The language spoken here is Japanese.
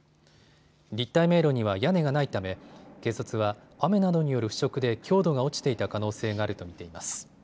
立体迷路には屋根がないため警察は雨などによる腐食で強度が落ちていた可能性があると見ています。